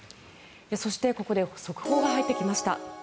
そして、ここで速報が入ってきました。